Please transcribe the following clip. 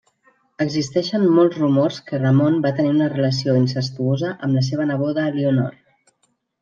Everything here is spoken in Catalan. Existeixen molts rumors que Ramon va tenir una relació incestuosa amb la seva neboda Elionor.